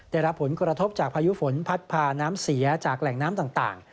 ได้รับผลกระทบจากพายุฝนพัดพาน้ำเสียจากแหล่งน้ำต่าง